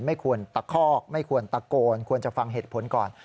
ไม่ควรตะคอกไม่ควรตะโกนควรจะฟังเหตุผลก่อน